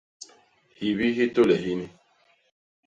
Hyibi hi tôle hini!